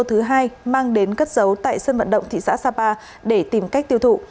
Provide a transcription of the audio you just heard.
thứ hai mang đến cất giấu tại sân vận động thị xã sapa để tìm cách tiêu thụ